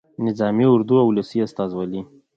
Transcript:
نظامي اردو او ولسي استازولي.